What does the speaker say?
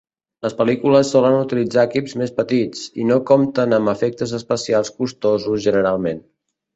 Les pel·lícules solen utilitzar equips més petits, i no compten amb efectes especials costosos generalment.